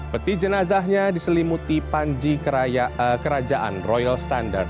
peti jenazahnya diselimuti panji kerajaan royal standard